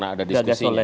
karena ada diskusi